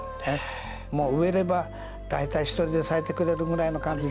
もう植えれば大体一人で咲いてくれるぐらいの感じですから。